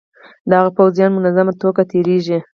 د هغه پوځیان منظمه توګه تیریږي.